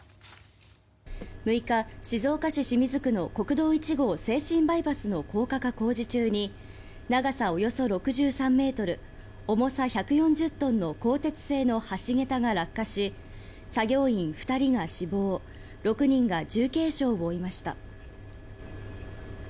６日、静岡市清水区の国道１号静清バイパスの高架化工事中に長さおよそ６３ｍ重さ１４０トンの鋼鉄製の橋桁が落下し作業員２人が死亡６人が重軽傷を負いました。